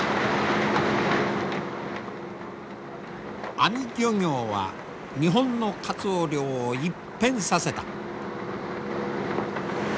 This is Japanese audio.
網漁業は日本のカツオ漁を一変させた。